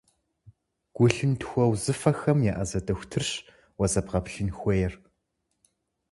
Гу-лъынтхуэ узыфэхэм еӏэзэ дохутырщ уэ зэбгъэплъын хуейр.